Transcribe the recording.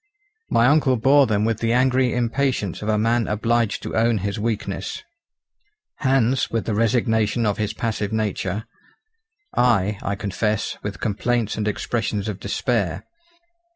My uncle bore them with the angry impatience of a man obliged to own his weakness; Hans with the resignation of his passive nature; I, I confess, with complaints and expressions of despair.